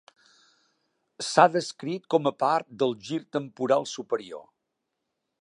S'ha descrit com a part del gir temporal superior.